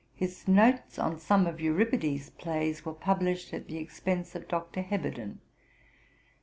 His notes on some of Euripides' Plays were published at the expense of Dr. Heberden.